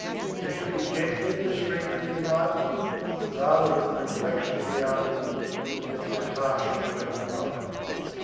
She should be gently and discreetly enlightened, rather with the reflection of realities than with their harsh and direct light.